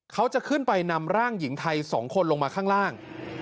เขาจะขึ้นไปนำร่างหญิงไทย๒คนลงมาข้างล่าง